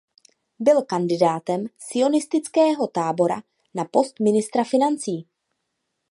Byl kandidátem Sionistického tábora na post ministra financí.